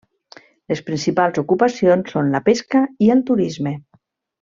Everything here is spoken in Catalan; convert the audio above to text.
Les principals ocupacions són la pesca i el turisme.